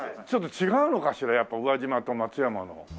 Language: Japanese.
ちょっと違うのかしらやっぱ宇和島と松山の。